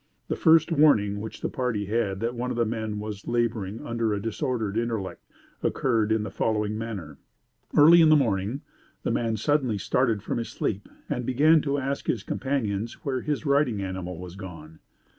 The first warning which the party had that one of the men was laboring under a disordered intellect occurred in the following manner. Early in the morning the man suddenly started from his sleep and began to ask his companions where his riding animal was gone.